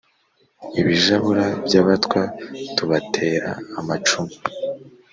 ibijabura by'abatwa tubatera amacumu